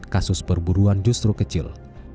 kasus perburuan justru kecil